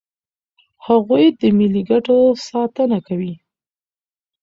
هغوی د ملي ګټو ساتنه کوي.